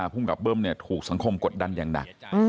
ภูมิกับเบิ้มถูกสังคมกดดันอย่างหนัก